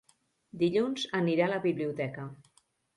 Dilluns anirà a la biblioteca.